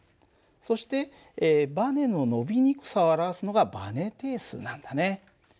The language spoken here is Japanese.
そしてばねの伸びにくさを表すのがばね定数なんだね。